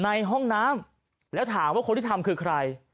ในห้องน้ำแล้วถามว่าคนที่ทำคือใคร